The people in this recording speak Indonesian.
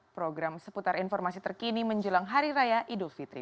program seputar informasi terkini menjelang hari raya idul fitri